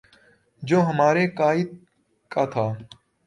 جو ہمارے قاہد کا تھا